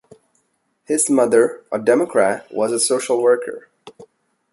His mother, a Democrat, was a social worker.